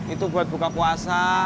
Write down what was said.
itu buat buka puasa